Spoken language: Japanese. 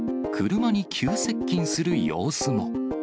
車に急接近する様子も。